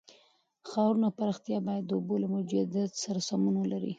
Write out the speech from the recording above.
د ښارونو پراختیا باید د اوبو له موجودیت سره سمون ولري.